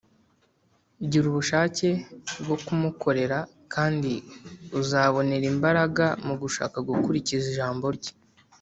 . Gira ubushake bwo kumukorera kandi uzabonera imbaraga mu gushaka gukurikiza ijambo Rye.